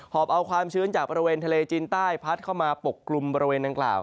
อบเอาความชื้นจากบริเวณทะเลจีนใต้พัดเข้ามาปกกลุ่มบริเวณดังกล่าว